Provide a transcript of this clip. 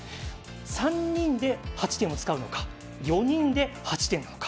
３人で８点をつかむのか４人で８点取るか